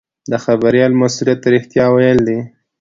د خبریال مسوولیت رښتیا ویل دي.